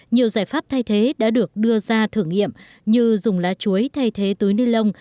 nhiều giải pháp thay thế đã được đưa ra thử nghiệm như dùng lá chuối thay thế túi ni lông